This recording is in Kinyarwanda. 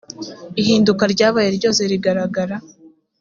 ihinduka ryabaye ryose rigaragara